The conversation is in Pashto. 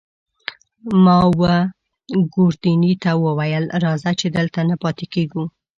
ما وه ګوردیني ته وویل: راځه، چې دلته نه پاتې کېږو.